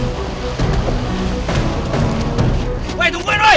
ngapain tinggal itu